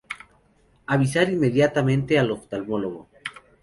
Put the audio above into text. Avisar inmediatamente al oftalmólogo.